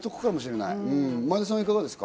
前田さんはいかがですか？